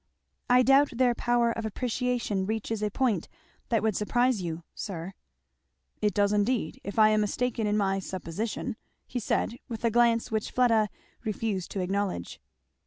"I doubt their power of appreciation reaches a point that would surprise you, sir." "It does indeed if I am mistaken in my supposition," he said with a glance which Fleda refused to acknowledge.